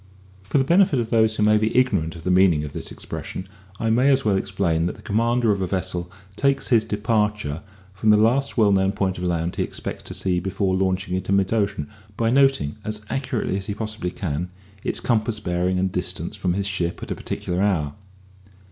For the benefit of those who may be ignorant of the meaning of this expression, I may as well explain that the commander of a vessel takes his departure from the last well known point of land he expects to see before launching into mid ocean, by noting, as accurately as he possibly can, its compass bearing and distance from his ship at a particular hour.